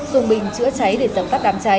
dùng bình chữa cháy để giấm tắt đám cháy